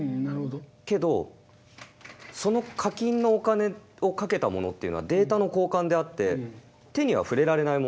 けどその課金のお金をかけたものというのはデータの交換であって手には触れられないもの。